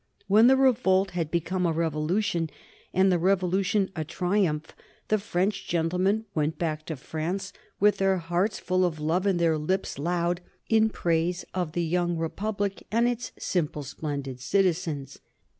When the revolt had become a revolution, and the revolution a triumph, the French gentlemen went back to France with their hearts full of love and their lips loud in praise for the young republic and its simple, splendid citizens.